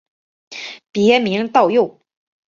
别名道佑。